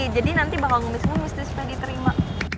jadi nanti bakal ngomit semua musti suka diterima